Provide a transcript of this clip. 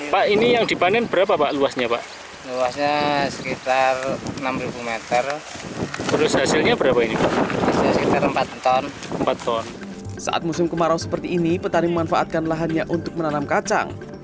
pada musim kemarau seperti ini petani memanfaatkan lahannya untuk menanam kacang